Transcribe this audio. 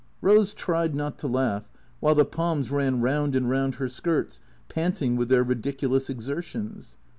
Rose tried not to laugh, while the Poms ran round and round her skirts, panting with their ridiculous exertions.